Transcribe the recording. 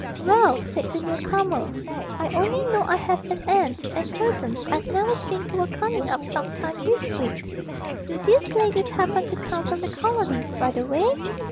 'Well,' said the new comer, 'I only know I have an aunt and cousins I've never seen who were coming up some time this week do these ladies happen to come from the Colonies, by the way?'